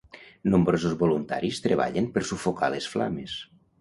Nombrosos voluntaris treballen per sufocar les flames.